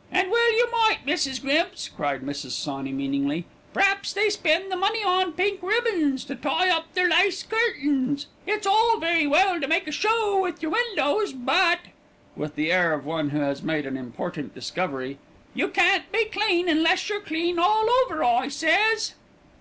'" "An' well you might, Mrs. Grimps," cried Mrs. Sawney meaningly. "P'raps they spend the money on pink ribbons to tie up their lace curtains. It's all very well to make a show with yer windows, but," with the air of one who has made an important discovery, "you can't be clean unless you're clean all over, I says."